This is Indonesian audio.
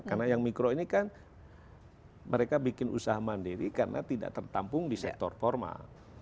karena yang mikro ini kan mereka bikin usaha mandiri karena tidak tertampung di sektor formal